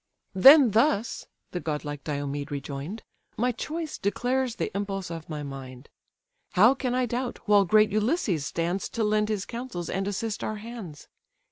"Then thus (the godlike Diomed rejoin'd) My choice declares the impulse of my mind. How can I doubt, while great Ulysses stands To lend his counsels and assist our hands?